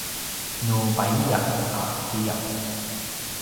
nu paiyav a kiyaw